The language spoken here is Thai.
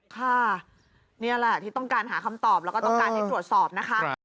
ค่ะนี่แหละที่ต้องการหาคำตอบแล้วก็ต้องการให้ตรวจสอบนะคะ